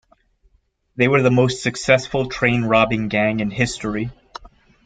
They were the most successful train-robbing gang in history.